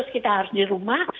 kita harus di rumah